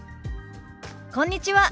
こんにちは。